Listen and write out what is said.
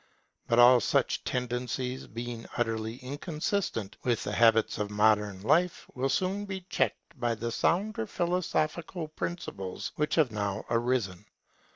But all such tendencies, being utterly inconsistent with the habits of modern life, will soon be checked by the sounder philosophical principles which have now arisen.